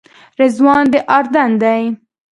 رضوان د اردن دی.